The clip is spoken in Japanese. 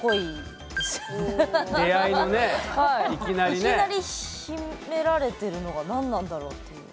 いきなり秘められてるのが何なんだろうっていう。